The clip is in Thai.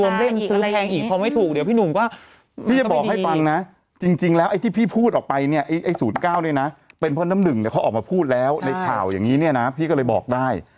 มีข่าวอย่างงี้นะพี่ก็เลยบอกได้